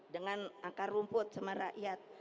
dengan akar rumput sama rakyat